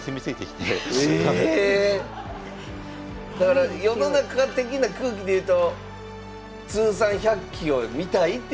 だから世の中的な空気で言うと通算１００期を見たいっていう。